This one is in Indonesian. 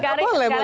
silahkan putar lagi